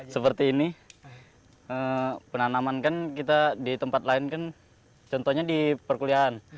seperti ini penanaman kan kita di tempat lain kan contohnya di perkuliahan